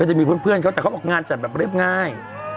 จะมีเพื่อนเขาแต่เขาบอกงานจัดแบบเรียบง่าย